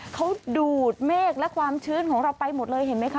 เขาดูดเมฆและความชื้นของเราไปหมดเลยเห็นไหมคะ